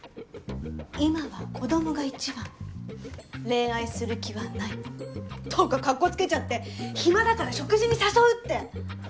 恋愛する気はない」とかかっこつけちゃって暇だから食事に誘うって！